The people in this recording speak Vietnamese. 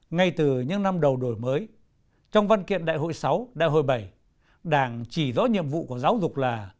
ngay từ những năm đầu đổi mới trong văn kiện đại hội sáu đại hội bảy đảng chỉ rõ nhiệm vụ của giáo dục là